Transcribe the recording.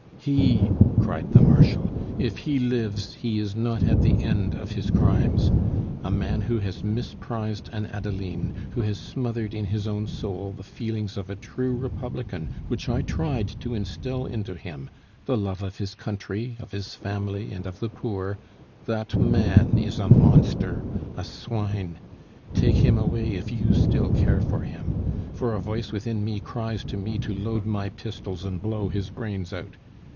"He!" cried the Marshal. "If he lives, he is not at the end of his crimes. A man who has misprized an Adeline, who has smothered in his own soul the feelings of a true Republican which I tried to instill into him, the love of his country, of his family, and of the poor that man is a monster, a swine! Take him away if you still care for him, for a voice within me cries to me to load my pistols and blow his brains out.